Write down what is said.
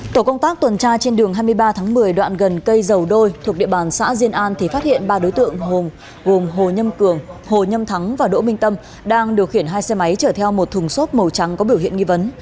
tổ công tác tuần tra trên đường hai mươi ba tháng một mươi đoạn gần cây dầu đôi thuộc địa bàn xã diên an thì phát hiện ba đối tượng gồm hồ nhâm cường hồ nhâm thắng và đỗ minh tâm đang điều khiển hai xe máy chở theo một thùng xốp màu trắng có biểu hiện nghi vấn